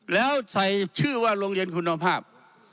แล้วใส่ชื่อว่าโรงเรียนคุณภาพ